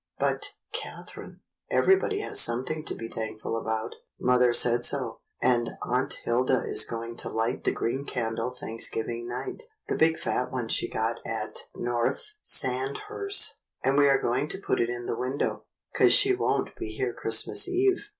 "But, Catherine, everybody has something to be thankful about. Mother said so. And Aunt Hilda is going to light the green candle Thanksgiv ing night, the big fat one she got at North Sand hurst; and we are going to put it in the window, 'cause she won't be here Christmas Eve.